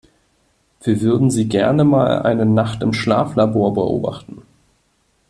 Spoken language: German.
Wir würden Sie gerne mal eine Nacht im Schlaflabor beobachten.